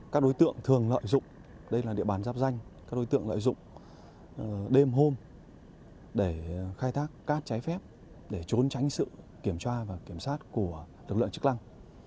các đối tượng thường lợi dụng đêm hôm để khai thác cát trái phép để trốn tránh sự kiểm tra và kiểm soát của lực lượng chức lăng